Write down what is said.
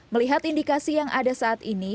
melihat indikasi yang ada saat ini